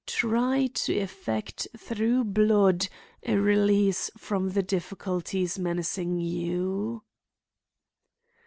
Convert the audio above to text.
Try to effect through blood a release from the difficulties menacing you."